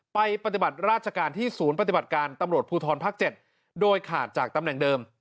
ปฏิบัติราชการที่ศูนย์ปฏิบัติการตำรวจภูทรภาค๗โดยขาดจากตำแหน่งเดิม